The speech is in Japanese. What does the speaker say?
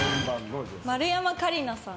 丸山桂里奈さん。